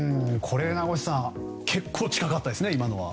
名越さん、結構近かったですね、今のは。